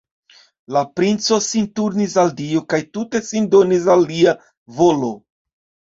La princo sin turnis al Dio kaj tute sin donis al Lia volo.